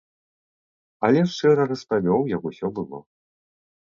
Але шчыра распавёў, як усё было.